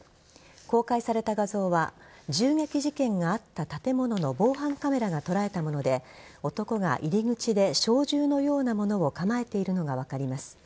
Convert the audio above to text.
公開された画像は銃撃事件があった建物の防犯カメラが捉えたもので男が入り口で小銃のようなものを構えているのが分かります。